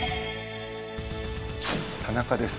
田中です。